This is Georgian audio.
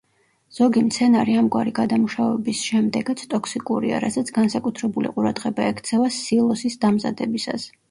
ზოგი მცენარე ამგვარი გადამუშავების შემდეგაც ტოქსიკურია, რასაც განსაკუთრებული ყურადღება ექცევა სილოსის დამზადებისას.